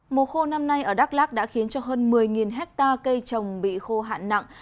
mùa khô năm nay ở đắk lắc đã khiến cho hơn một mươi hectare cây trồng bị khô hạn nặng